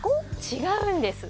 違うんです。